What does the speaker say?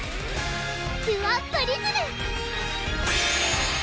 キュアプリズム！